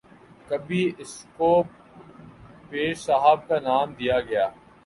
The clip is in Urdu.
کبھی اسکو پیر صاحب کا نام دیا گیا